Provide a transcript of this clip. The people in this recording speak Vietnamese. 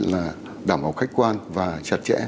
là đảm bảo khách quan và chặt chẽ